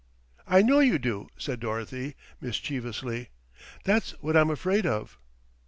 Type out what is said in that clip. "I know you do," said Dorothy mischievously. "That's what I'm afraid of."